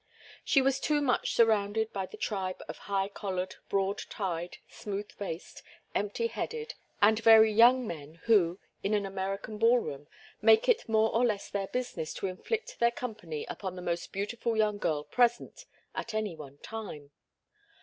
She was too much surrounded by the tribe of high collared, broad tied, smooth faced, empty headed, and very young men who, in an American ball room, make it more or less their business to inflict their company upon the most beautiful young girl present at any one time.